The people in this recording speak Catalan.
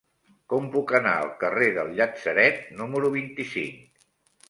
Com puc anar al carrer del Llatzeret número vint-i-cinc?